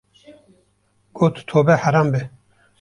Got, Tobe heram be!